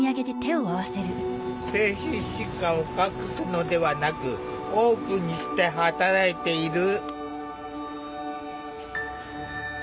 精神疾患を隠すのではなくオープンにして働いている。